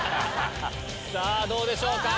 さぁどうでしょうか？